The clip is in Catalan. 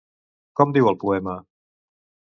Com diu el poema?